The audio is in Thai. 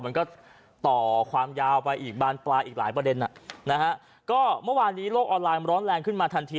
มันก็ต่อความยาวไปอีกบานปลายอีกหลายประเด็นอ่ะนะฮะก็เมื่อวานนี้โลกออนไลน์มันร้อนแรงขึ้นมาทันที